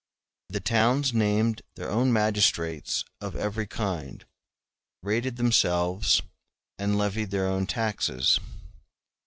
The towns named their own magistrates of every kind, rated themselves, and levied their own taxes.